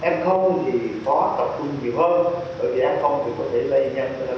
f thì có tập trung nhiều hơn bởi vì f thì có thể lây nhanh